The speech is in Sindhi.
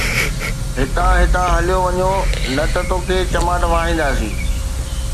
ھتان ھتان ھليو وڃو نه ته توکي چماٽ وهائينداسين